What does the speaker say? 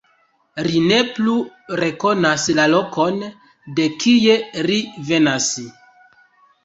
Ri ne plu rekonas la lokon, de kie ri venas.